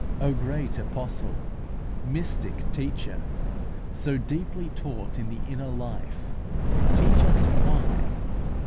O great apostle, mystic teacher, so deeply taught in the inner life! teach us why.